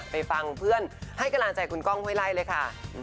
ไปฟังเพื่อนให้กำลังใจคุณก้องห้วยไล่เลยค่ะ